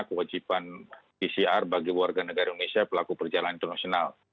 kewajiban pcr bagi warga negara indonesia pelaku perjalanan internasional